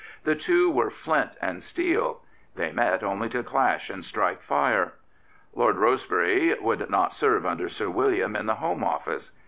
The two were flint and steel. They met only to clash and strike fire. Lord Rosebery would not serve under Sir William in the Home Office.